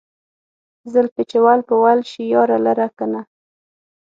زلفې چې ول ول شي يار لره کنه